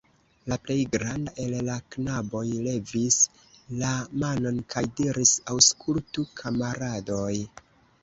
La plej granda el la knaboj levis la manon kaj diris: Aŭskultu, kamaradoj!